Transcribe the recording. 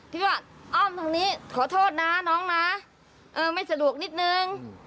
คิดว่าอ้อมทางนี้ขอโทษนะน้องนะเออไม่สะดวกนิดนึง